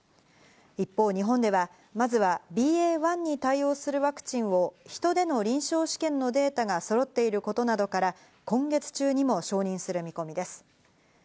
一方、日本ではまずはＢＡ．１に対応するワクチンをヒトでの臨床試験のデータがそろっていることなどから、今月中にも承認する見込みです。